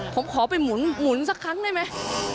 ผมขอไปหมุนสักครั้งได้ไหม